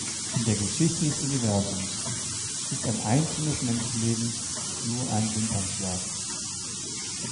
In der Geschichte des Universums ist ein einzelnes Menschenleben nur ein Wimpernschlag.